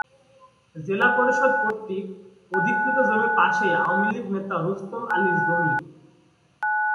জেলা পরিষদ কর্তৃক অধিকৃত জমির পাশেই আওয়ামী লীগ নেতা রুস্তম আলীর জমি।